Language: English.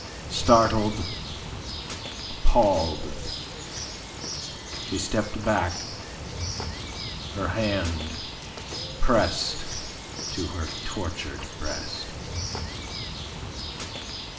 Startled, appalled, she stepped back, her hand pressed to her tortured breast.